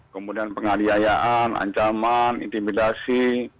kemudian pengadilayaan ancaman intimidasi